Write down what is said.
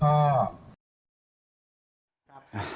ครับ